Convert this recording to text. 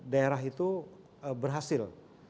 daerah itu berhasil